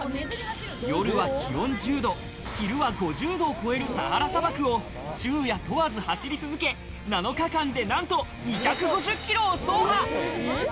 夜は気温１０度、昼は５０度を超えるサハラ砂漠を、昼夜問わず走り続け７日間でなんと２５０キロを走破！